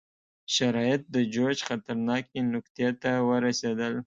شرایط د جوش خطرناکې نقطې ته ورسېدل.